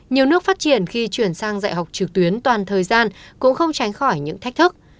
nhiều nước phát triển khi chuyển sang dạy học trực tuyến toàn thời gian cũng không tránh khỏi những thách thức